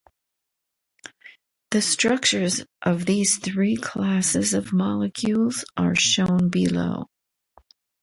The structures of these three classes of molecules are shown below.